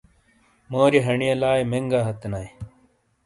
مورئیے ہَنڈئیے لائے مہنگا ہَتے اینائے۔